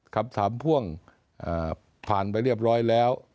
คำถามพ่วงผ่านไปเรียบร้อยแล้ว